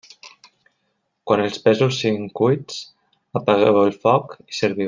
Quan els pèsols siguin cuits, apagueu el foc i serviu.